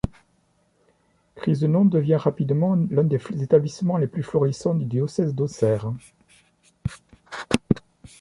Crisenon devient rapidement l'un des établissements les plus florissants du diocèse d'Auxerre.